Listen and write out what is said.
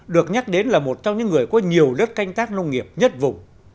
được nhắc đến là một trong những người có nhiều đất canh tác nông nghiệp nhất vùng